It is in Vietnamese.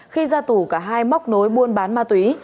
khi ra tù cả hai móc nối buôn bán ma túy